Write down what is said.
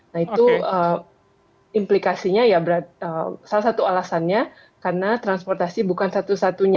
nah itu implikasinya ya salah satu alasannya karena transportasi bukan satu satunya